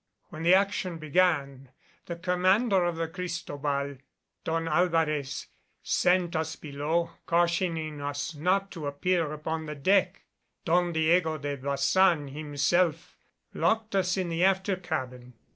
When the action began, the commander of the Cristobal, Don Alvarez, sent us below, cautioning us not to appear upon the deck. Don Diego de Baçan himself locked us in the after cabin.